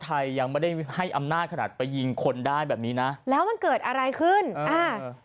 ไทยยังไม่ได้ให้อำนาจขนาดไปยิงคนได้แบบนี้นะแล้วมันเกิดอะไรขึ้นอ่า